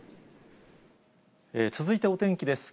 続いてお天気です。